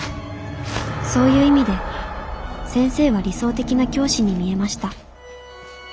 そういう意味で先生は理想的な教師に見えました」。